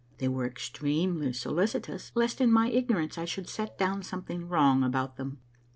They were extremely solicitous lest in my ignorance I should set down something wrong about them.